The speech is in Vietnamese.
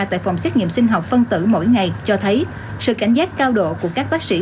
tại phòng xét nghiệm sinh học phân tử mỗi ngày cho thấy sự cảnh giác cao độ của các bác sĩ